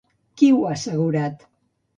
Qui ho ha assegurat?